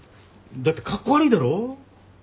だってカッコ悪いだろ？